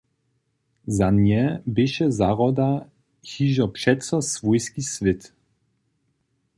Za nje běše zahroda hižo přeco swójski swět.